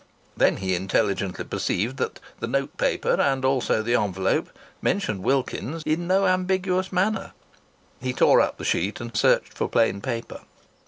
Then he intelligently perceived that the note paper and also the envelope mentioned Wilkins's in no ambiguous manner. He tore up the sheet and searched for plain paper.